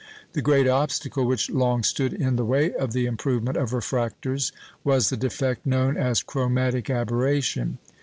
The great obstacle which long stood in the way of the improvement of refractors was the defect known as "chromatic aberration."